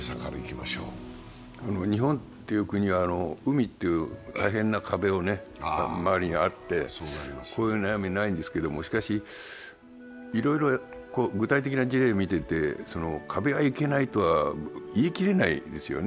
日本という国は海という大変な壁が周りにあってこういう悩みないんですけれども、しかし、いろいろ具体的な事例を見ていて、壁はいけないとは言い切れないですよね。